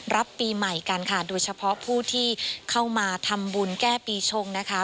รับปีใหม่กันค่ะโดยเฉพาะผู้ที่เข้ามาทำบุญแก้ปีชงนะคะ